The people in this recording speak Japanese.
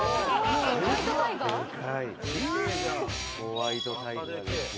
ホワイトタイガーですよ。